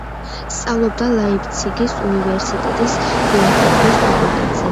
სწავლობდა ლაიფციგის, უნივერსიტეტის ფილოსოფიის ფაკულტეტზე.